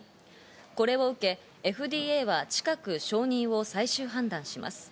これを受けＦＤＡは近く承認を最終判断します。